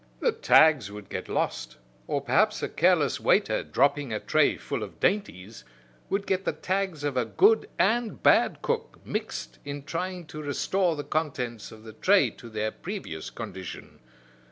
The tags would get lost, or perhaps a careless waiter, dropping a tray full of dainties, would get the tags of a good and bad cook mixed in trying to restore the contents of the tray to their previous condition.